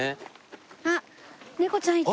あっ猫ちゃんいた！